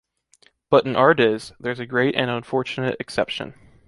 But, in our days, there’s a great and unfortunate exception.